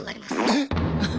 えっ！